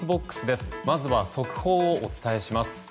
まずは速報をお伝えします。